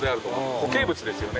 固形物ですよね